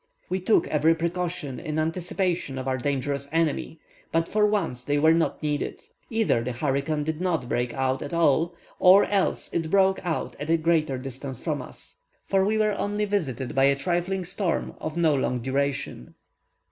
We took every precaution in anticipation of our dangerous enemy, but for once they were not needed: either the hurricane did not break out at all, or else it broke out at a great distance from us; for we were only visited by a trifling storm of no long duration.